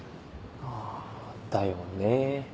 あぁだよね。